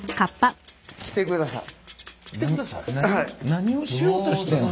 何をしようとしてんの？